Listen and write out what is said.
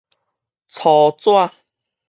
粗紙